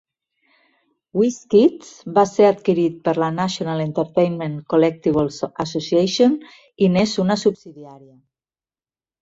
WizKids va ser adquirit per la National Entertainment Collectibles Association i n'és una subsidiària.